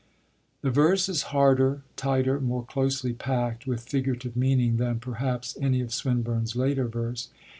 The verse is harder, tighter, more closely packed with figurative meaning than perhaps any of Swinburne's later verse.